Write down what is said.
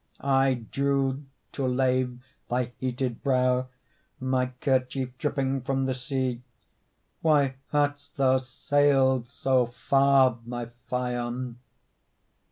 I drew, to lave thy heated brow, My kerchief dripping from the sea; Why hadst thou sailed so far, my Phaon?